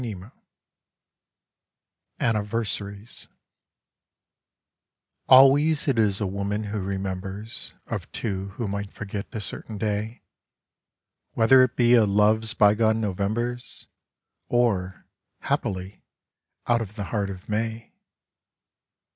ANNIVERSARIES A LWAYS it is a woman who remembers ^ Of two who might forget a certain day, Whether it be of Love's bygone Novembers, Or, happily, out of the heart of May.